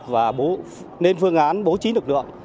và nên phương án bố trí lực lượng